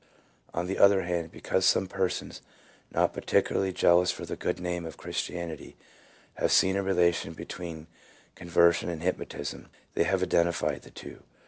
On the other hand, because some persons, not particularly jealous for the good name of Christianity, have seen a relation between con version and hypnotism, they have identified the two.